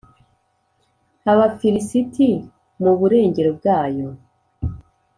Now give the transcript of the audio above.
Abafilisiti mu burengero bwayo,